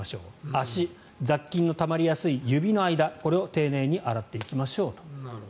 足、雑菌のたまりやすい指の間丁寧に洗っていきましょうと。